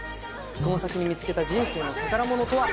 その先に見つけた人生の宝物とは？